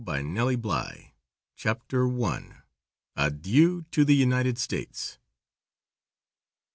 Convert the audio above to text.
By NELLIE BLY. CHAPTER I. ADIEU TO THE UNITED STATES.